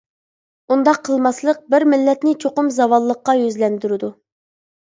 ئۇنداق قىلماسلىق بىر مىللەتنى چوقۇم زاۋاللىققا يۈزلەندۈرىدۇ.